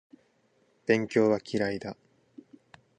勉強は嫌いだ